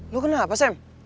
lo kenapa sam